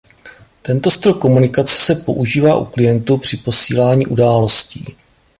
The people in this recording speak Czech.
Tento styl komunikace se používá u klientů při posílání událostí.